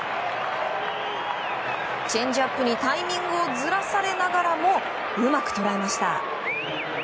チェンジアップにタイミングをずらされながらもうまく捉えました。